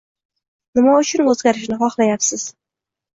Nima uchun o’zgarishni xohlayapsiz